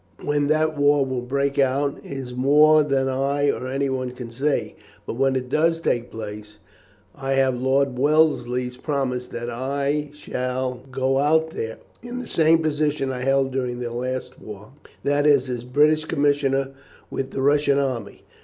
When that war will break out is more than I or anyone can say, but when it does take place I have Lord Wellesley's promise that I shall go out there in the same position I held during their last war, that is, as British commissioner with the Russian army.